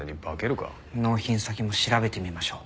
納品先も調べてみましょう。